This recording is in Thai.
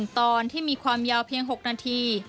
ตอนที่มีความยาวเพียง๖นาที